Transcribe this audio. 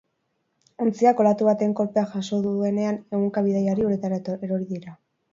Ontziak olatu baten kolpea jaso duenean ehunka bidaiari uretara erori dira.